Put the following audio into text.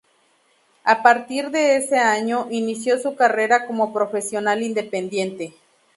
A partir de ese año, inició su carrera como profesional independiente.